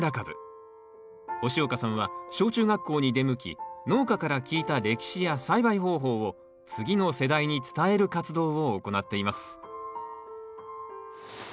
押岡さんは小中学校に出向き農家から聞いた歴史や栽培方法を次の世代に伝える活動を行っています